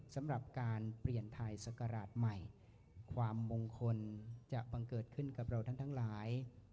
สำหรับการเปลี่ยนไทยศักราชใหม่ความมงคลจะบังเกิดขึ้นกับเราทั้งหลาย